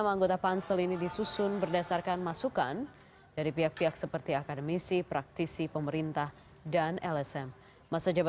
minggu ini insyaallah sudah kita tanda tangan kanselnya